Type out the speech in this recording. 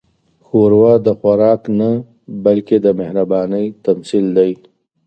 ښوروا د خوراک نه، بلکې د مهربانۍ تمثیل دی.